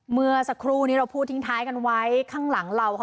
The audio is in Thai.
เมื่อสักครู่นี้เราพูดทิ้งท้ายกันไว้ข้างหลังเราค่ะ